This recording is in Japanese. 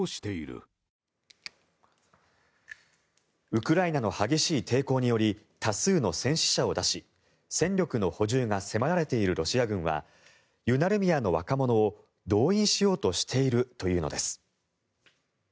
ウクライナの激しい抵抗により多数の戦死者を出し戦力の補充が迫られているロシア軍はユナルミヤの若者を動員しようとしているというのです。